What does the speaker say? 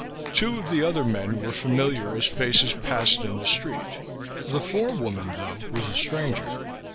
Two of the other men were familiar as faces passed in the street. The forewoman, though, was a stranger.